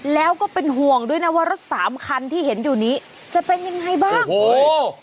แล้วก็เป็นห่วงด้วยนะว่ารถสามคันที่เห็นอยู่นี้จะเป็นยังไงบ้างโอ้